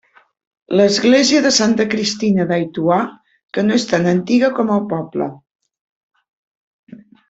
L'església de Santa Cristina d'Aituà, que no és tan antiga com el poble.